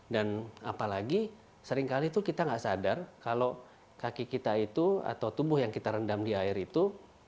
dan apalagi seringkali kita tidak sadar kalau kaki kita itu atau tubuh yang kita rendam di air itu